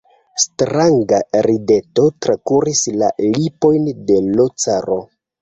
Stranga rideto trakuris la lipojn de l' caro.